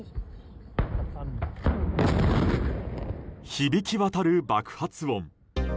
響き渡る爆発音。